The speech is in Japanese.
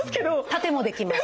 縦もできます。